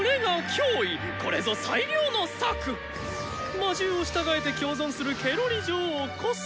魔獣を従えて共存するケロリ女王こそ！